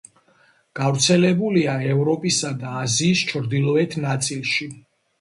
გავრცელებულია ევროპისა და აზიის ჩრდილოეთ ნაწილში.